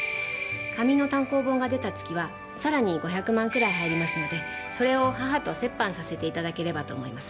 紙の単行本が出た月はさらに５００万くらい入りますのでそれを母と折半させて頂ければと思います。